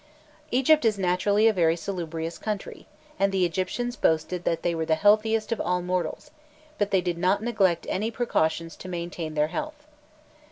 Egypt is naturally a very salubrious country, and the Egyptians boasted that they were "the healthiest of all mortals;" but they did not neglect any precautions to maintain their health.